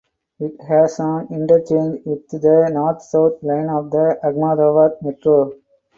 It has an interchange with the North–South line of the Ahmedabad Metro.